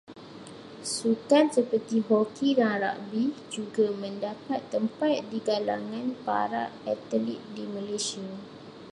Sukan seperti hoki dan ragbi juga mendapat tempat di kalangan para atlit di Malaysia.